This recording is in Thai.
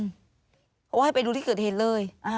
เพราะว่าให้ไปดูที่เกิดเหตุเลย